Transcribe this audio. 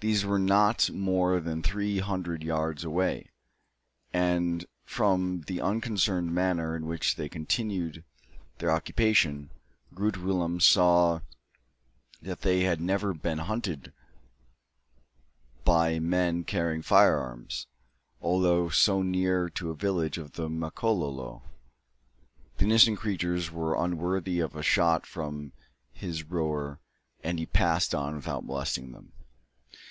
These were not more than three hundred yards away; and, from the unconcerned manner in which they continued their occupation, Groot Willem saw that they had never been hunted by men carrying fire arms, although so near to a village of the Makololo. The innocent creatures were unworthy of a shot from his roer, and he passed on without molesting them.